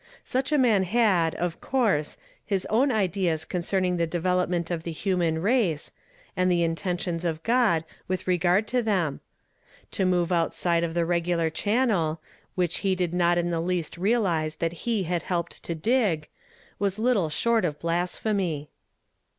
Such a man had, of course, his own ideas concerning the development of the human race, and the intentions of God with regard to them; to move outside of the regular channel, which he did not in the least realize that he had helped to dig, was little short of blasphemy.